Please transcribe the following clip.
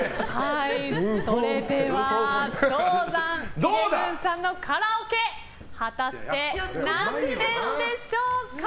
それではＤＯＺＡＮ１１さんのカラオケ果たして何点でしょうか。